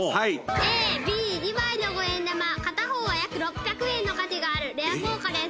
ＡＢ２枚の一円玉片方は約３０００円の値打ちがあるレア硬貨です。